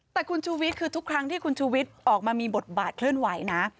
แต่คุณชูวิทย์คือทุกครั้งที่คุณชูวิทย์ออกมามีบทบาทเคลื่อนไหวนะ